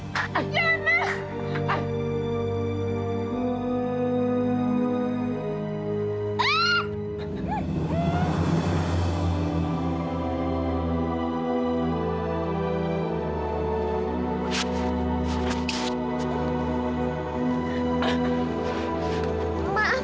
mas mas jangan mas